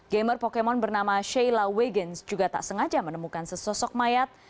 gamer pokemon bernama sheyla wagens juga tak sengaja menemukan sesosok mayat